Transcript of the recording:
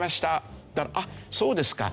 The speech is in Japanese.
「あっそうですか。